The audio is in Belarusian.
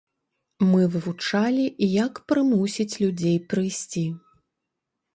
Мы вывучалі, як прымусіць людзей прыйсці.